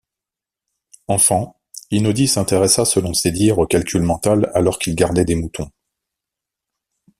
Enfant, Inaudi s'intéressa selon ses dires au calcul mental alors qu'il gardait des moutons.